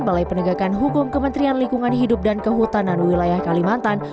balai penegakan hukum kementerian lingkungan hidup dan kehutanan wilayah kalimantan